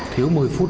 thiếu một mươi phút